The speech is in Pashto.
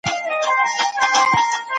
ایا په سهار کي د قهوې چښل د انسان پام زیاتوي؟